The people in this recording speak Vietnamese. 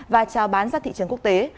và trào bán ra thị trường quốc tế